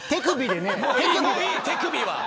もういい、手首は。